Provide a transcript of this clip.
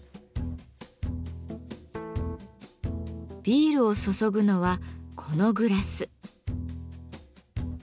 ビールを注ぐのはこのグラス。